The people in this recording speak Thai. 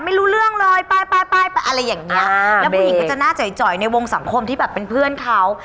ไม่รู้เรื่องเลยไปไปอะไรอย่างเงี้ยแล้วผู้หญิงก็จะหน้าจ่อยในวงสังคมที่แบบเป็นเพื่อนเขา